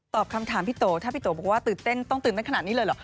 คำถามพี่โตถ้าพี่โตบอกว่าตื่นเต้นต้องตื่นเต้นขนาดนี้เลยเหรอ